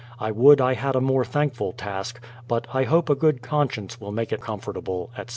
I would I had a more thankful task, but I hope a good conscience will make it comfortable, etc.